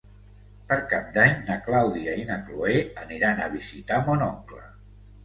Per Cap d'Any na Clàudia i na Cloè aniran a visitar mon oncle.